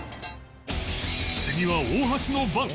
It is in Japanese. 次は大橋の番